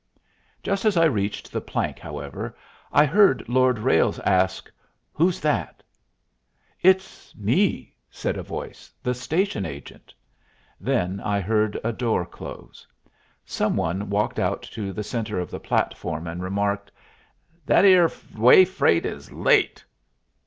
Just as I reached the plank, however, I heard Lord Ralles ask, "Who's that?" "It's me," said a voice, "the station agent." Then I heard a door close. Some one walked out to the centre of the platform and remarked, "That 'ere way freight is late."